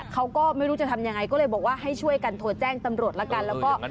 เขาก็ไม่รู้จะทำยังไงก็เลยบอกว่าให้ช่วยกันโทรแจ้งตำรวจละกันแล้วก็